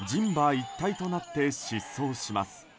一体となって疾走します。